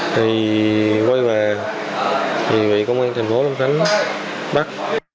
thì quay về thì bị công an tp hcm bắt